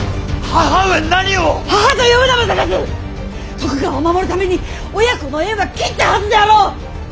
徳川を守るために親子の縁は切ったはずであろう！